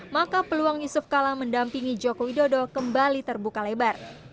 maka peluang yusuf kalla mendampingi jokowi dodo kembali terbuka lebar